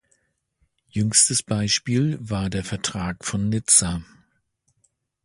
Jüngstes Beispiel war der Vertrag von Nizza.